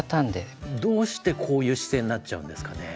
どうしてこういう姿勢になっちゃうんですかね？